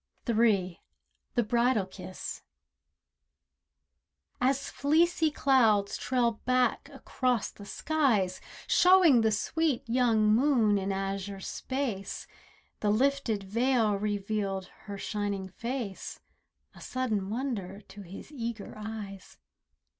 THE BRIDAL KISS III As fleecy clouds trail back across the skies, Showing the sweet young moon in azure space, The lifted veil revealed her shining face— A sudden wonder to his eager eyes.